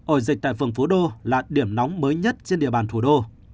ổ dịch tại phường phố đô là điểm nóng mới nhất trên địa bàn thủ đô